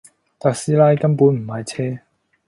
特斯拉根本唔係車